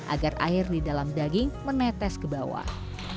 agar air di dalam daging menetes ke bawah